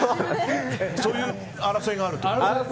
そういう争いがあるってこと？